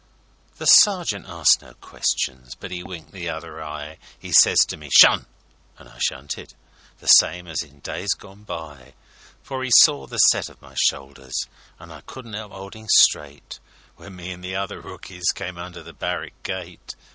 The sergeant arst no questions, but 'e winked the other eye, 'E sez to me, â'Shun!â an' I shunted, the same as in days gone by; For 'e saw the set o' my shoulders, an' I couldn't 'elp 'oldin' straight When me an' the other rookies come under the barrick gate.